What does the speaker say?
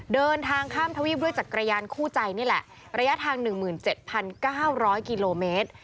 เดินทางข้ามทวีปด้วยจักรยานคู่ใจนี่แหละระยะทาง๑๗๙๐๐กิโลเมตร